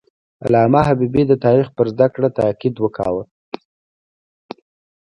علامه حبیبي د تاریخ پر زده کړه تاکید کاوه.